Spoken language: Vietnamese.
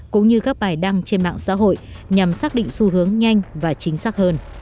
cũng như các bài đăng trên mạng xã hội nhằm xác định xu hướng nhanh và chính xác hơn